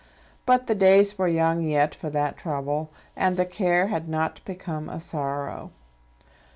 But the days were young yet for that trouble, and the care had not become a sorrow.